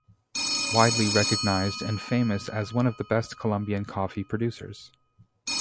Widely recognized and famous as one of the best Colombian coffee producers.